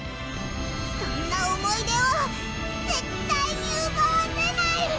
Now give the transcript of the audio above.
そんな思い出を絶対にうばわせない！